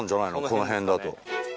この辺だと。